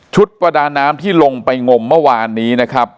ชุดประดาน้ำที่ลงไปงมเมื่อวานนี้